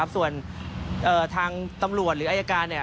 ส่วนทางตำรวจหรืออายการ